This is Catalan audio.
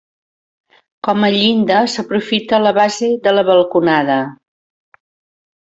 Com a llinda s'aprofita la base de la balconada.